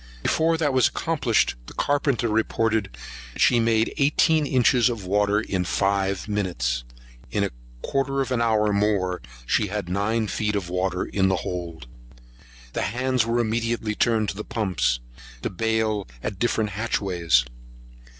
Before that was accomplished, the carpenter reported she made eighteen inches water in five minutes; and in a quarter of an hour more, she had nine feet water in the hold. The hands were immediately turned to the pumps, and to bale at the different hatchways.